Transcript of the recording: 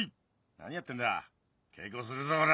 何やってんだ稽古するぞオラ！